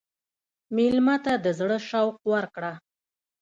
مېلمه ته د زړه شوق ورکړه.